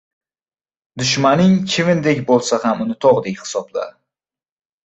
• Dushmaning chivindek bo‘lsa ham uni tog‘dek hisobla.